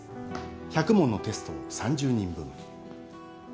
１００問のテストを３０人分。